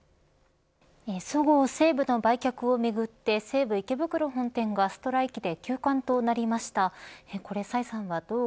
そごう・西武の売却をめぐって西武池袋本店がストライキで休館となりました。